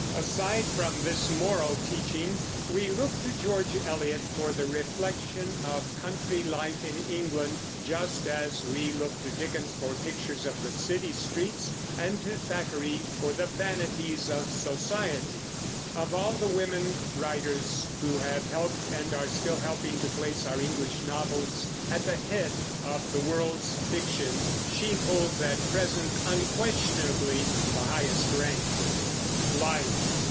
Aside from this moral teaching, we look to George Eliot for the reflection of country life in England, just as we look to Dickens for pictures of the city streets, and to Thackeray for the vanities of society. Of all the women writer's who have helped and are still helping to place our English novels at the head of the world's fiction, she holds at present unquestionably the highest rank. LIFE.